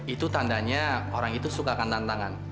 itu tandanya orang itu sukakan tantangan